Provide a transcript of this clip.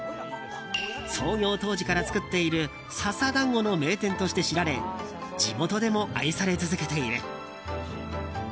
創業当時から作っている笹だんごの名店として知られ地元でも愛され続けている。